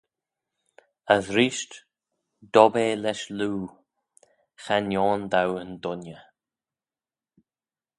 As reesht dob eh lesh loo, Cha nione dou yn dooinney.